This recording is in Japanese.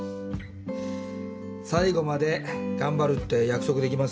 最後まで頑張るって約束できますか？